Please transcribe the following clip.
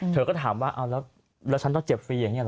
เธอก็ถามว่าเอาแล้วฉันต้องเจ็บฟรีอย่างนี้หรอ